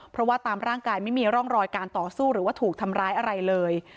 เพราะว่าตามร่างกายไม่มีร่องรอยการต่อสู้หรือว่าถูกทำร้ายอะไรเลย